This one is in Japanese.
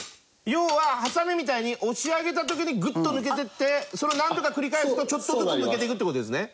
要ははさみみたいに押し上げた時にグッと抜けてってそれを何度か繰り返すとちょっとずつ抜けていくって事ですね。